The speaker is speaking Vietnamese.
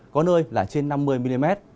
có nơi là trên năm mươi mm